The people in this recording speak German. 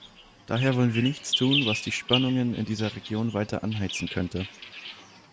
Daher wollen wir nichts tun, was die Spannungen in dieser Region weiter anheizen könnte.